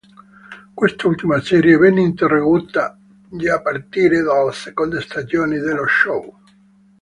Quest'ultima serie venne interrotta già a partire dalla seconda stagione dello show.